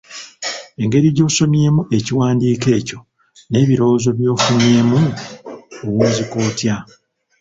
Engeri gy'osomyemu ekiwandiiko ekyo, n'ebirowoozo by'ofunyeemu, owunzika otya?